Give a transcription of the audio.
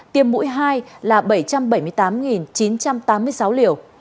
tiêm mũi hai là bảy trăm bảy mươi tám chín trăm tám mươi sáu liều